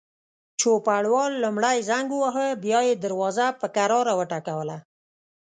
چوپړوال لومړی زنګ وواهه، بیا یې دروازه په کراره وټکوله.